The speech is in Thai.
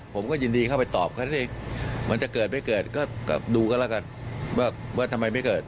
ผมก็ยินดีเข้าไปตอบเขาสิมันจะเกิดไม่เกิดก็ดูกันแล้วกันว่าทำไมไม่เกิด